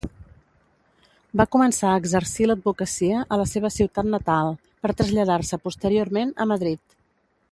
Va començar a exercir l'advocacia a la seva ciutat natal per traslladar-se posteriorment a Madrid.